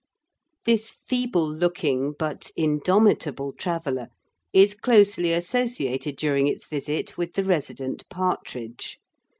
This feeble looking but indomitable traveller is closely associated during its visit with the resident partridge.